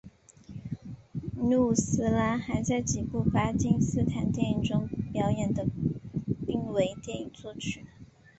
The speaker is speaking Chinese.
努斯拉还在几部巴基斯坦电影中表演并为电影作曲。